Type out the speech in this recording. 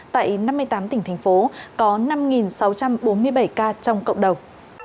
tại năm mươi tám tỉnh thành phố có năm sáu trăm bốn mươi bảy ca trong cộng đồng